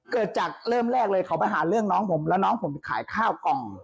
เกิดจากเริ่มแรกเลยเขาไปหาเรื่องน้องผมแล้วน้องผมไปขายข้าวกล่อง